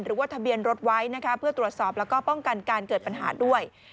หรือว่าทะเบียนรถไว้นะคะเพื่อตรวจสอบแล้วก็ป้องกันการเกิดปัญหาด้วย